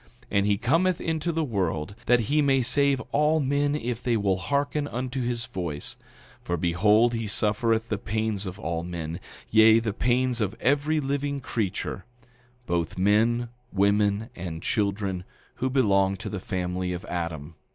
9:21 And he cometh into the world that he may save all men if they will hearken unto his voice; for behold, he suffereth the pains of all men, yea, the pains of every living creature, both men, women, and children, who belong to the family of Adam.